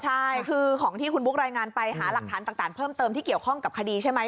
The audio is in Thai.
ใช่คือของที่คุณบุ๊ครายงานไปหาหลักฐานต่างเพิ่มเติมที่เกี่ยวข้องกับคดีใช่ไหม